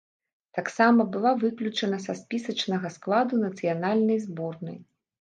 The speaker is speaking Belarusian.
Таксама была выключана са спісачнага складу нацыянальнай зборнай.